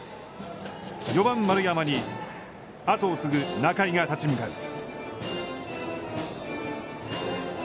４番丸山に、後を継ぐ仲井が立ち向かう。